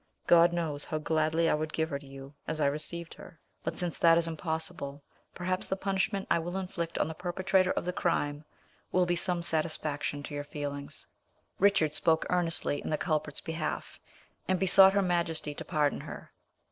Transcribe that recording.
God knows how gladly I would give her to you as I received her; but since that is impossible, perhaps the punishment I will inflict on the perpetrator of the crime will be some satisfaction to your feelings." Richard spoke earnestly in the culprit's behalf, and besought her majesty to pardon her.